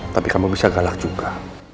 tapi kamu bisa galak juga